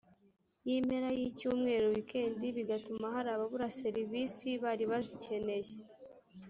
y impera y icyumweru weekend bigatuma hari ababura serivisi bari bazikeneye